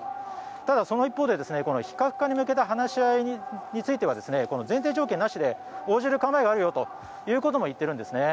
ただその一方で非核化に向けた話し合いについては前提条件なしで応じる構えがあるよということも言っているんですね。